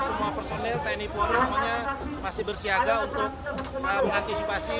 semua personil tni polri semuanya masih bersiaga untuk mengantisipasi